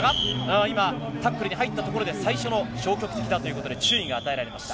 今、タックルに入ったところで消極的だという最初の注意が与えられました。